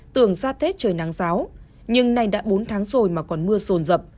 tưởng ra tết trời nắng giáo nhưng nay đã bốn tháng rồi mà còn mưa sồn dập